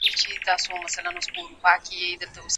د هغه بحثونه نن هم د ټولنپوهنې برخه ده.